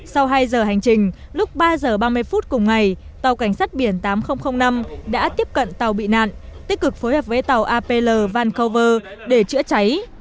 sau hai giờ hành trình lúc ba h ba mươi phút cùng ngày tàu cảnh sát biển tám nghìn năm đã tiếp cận tàu bị nạn tích cực phối hợp với tàu apl vancover để chữa cháy